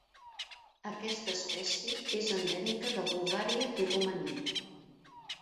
Aquesta espècie és endèmica de Bulgària i Romania.